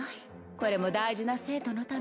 これも大事な生徒のためじゃ。